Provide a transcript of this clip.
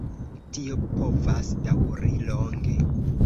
Tio povas daŭri longe.